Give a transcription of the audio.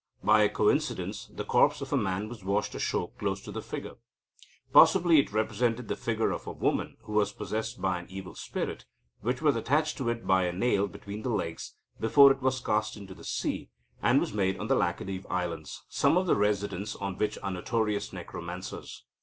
By a coincidence, the corpse of a man was washed ashore close to the figure. Possibly it represented the figure of a woman who was possessed by an evil spirit, which was attached to it by a nail between the legs before it was cast into the sea, and was made on the Laccadive islands, some of the residents on which are notorious necromancers.